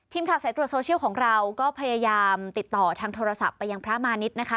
สายตรวจโซเชียลของเราก็พยายามติดต่อทางโทรศัพท์ไปยังพระมาณิชย์นะคะ